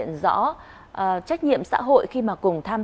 nó giống như một sản phẩm